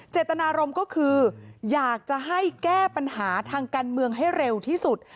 เจตนารมณ์ก็คืออยากจะให้แก้ปัญหาทางการเมืองให้เร็วที่สุด